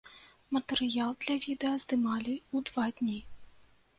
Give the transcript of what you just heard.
Матэрыял для відэа здымалі ў два дні.